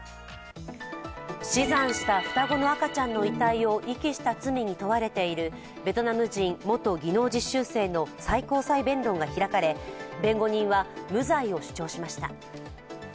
死産した双子の赤ちゃんの遺体を遺棄した罪に問われているベトナム人元技能実習生の最高裁弁論が開かれ弁護人は無罪を主張しました。